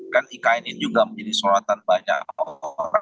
kan ikn ini juga menjadi sorotan banyak orang